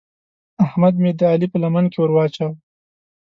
احمد مې د علي په لمن کې ور واچاوو.